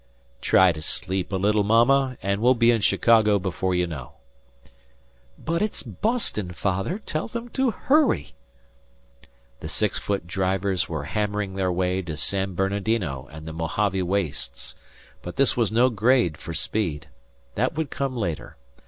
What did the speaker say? "Try to sleep a little, Mama, and we'll be in Chicago before you know." "But it's Boston, Father. Tell them to hurry." The six foot drivers were hammering their way to San Bernardino and the Mohave wastes, but this was no grade for speed. That would come later.